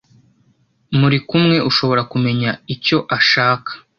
muri kumwe ushobora kumenya icyo ashaka